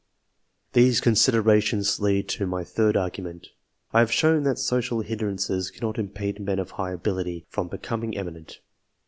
These considerations lead to my third argument. I have shown that social hindrances cannot impede men of high ;| jability, from becoming eminent.